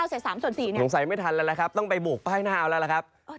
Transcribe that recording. สงสัยไม่ทันแล้วล่ะครับต้องไปโบกป้ายหน้าเอาแล้วล่ะครับ